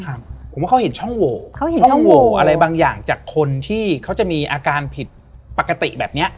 ผมว่าเขาเห็นช่องโหวเขาเห็นช่องโหวอะไรบางอย่างจากคนที่เขาจะมีอาการผิดปกติแบบเนี้ย